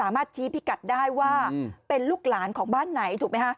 ชี้พิกัดได้ว่าเป็นลูกหลานของบ้านไหนถูกไหมฮะ